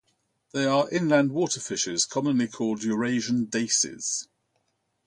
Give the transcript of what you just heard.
They are inland water fishes commonly called Eurasian daces.